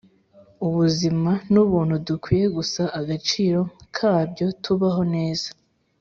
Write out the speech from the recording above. ubuzima nubuntu dukwiye gusa agaciro kabyo tubaho neza.